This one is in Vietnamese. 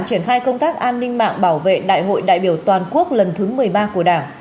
triển khai công tác an ninh mạng bảo vệ đại hội đại biểu toàn quốc lần thứ một mươi ba của đảng